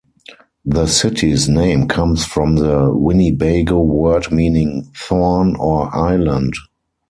The city's name comes from the Winnebago word meaning "thorn" or "island".